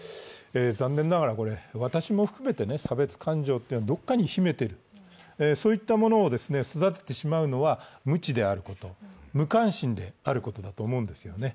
残念ながら、私も含めて差別感情というのはどこかに秘めている、そういったものを育ててしまうのは無知であること、無関心であることだと思うんですよね。